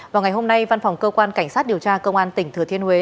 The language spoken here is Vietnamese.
vào ngày hôm nay văn phòng cơ quan cảnh sát điều tra công an tỉnh thừa thiên huế